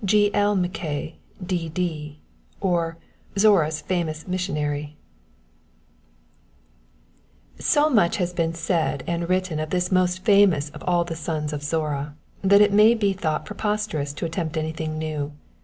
G. L. MACKAY, D.D.; OR, ZORRA'S FAMOUS MISSIONARY So much has been said and written of this most famous of all the sons of Zorra, that it may be thought preposterous to attempt anything new.